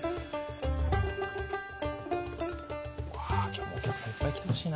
今日もお客さんいっぱい来てほしいな。